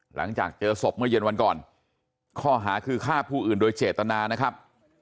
หลังจากเจอศพเมื่อเย็นวันก่อนข้อหาคือฆ่าผู้อื่นโดยเจตนานะครับ